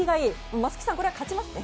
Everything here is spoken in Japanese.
松木さん、これは勝ちますね。